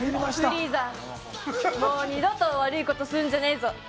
フリーザ、もう二度と悪いことすんじゃねーぞ。